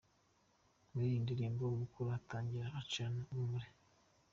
Muri iyi ndirimbo umukuru atangira acana urumuri.